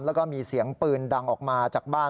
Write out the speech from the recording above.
แล้วก็มีเสียงปืนดังออกมาจากบ้าน